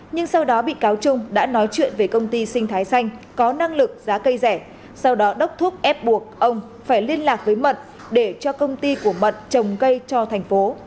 nhưng sau đó bị cáo trung đã nói chuyện về công ty sinh thái xanh có năng lực giá cây rẻ sau đó đốc thuốc ép buộc ông phải liên lạc với mận để cho công ty của mận trồng cây cho thành phố